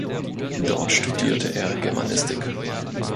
Dort studierte er Germanistik.